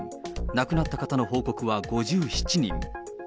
亡くなった方の報告は５７人。